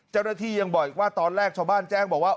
เจ้าหน้าที่ยังบอกอีกว่าตอนแรกชาวบ้านแจ้งบอกว่า